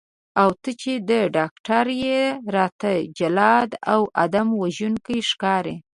او ته چې ډاکټر یې راته جلاد او آدم وژونکی ښکارې.